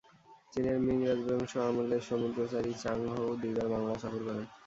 চীনের মিং রাজবংশ আমলের সমুদ্রচারী চাং হো-ও দুবার বাংলা সফর করেন।